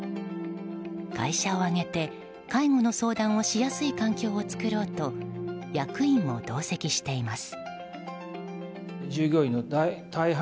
会社を挙げて介護の相談をしやすい環境を作ろうと役員も同席しています。